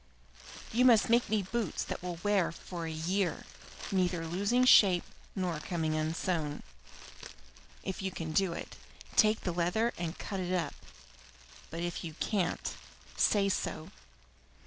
You must make me boots that will wear for a year, neither losing shape nor coming unsown. If you can do it, take the leather and cut it up; but if you can't, say so.